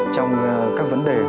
trong các vấn đề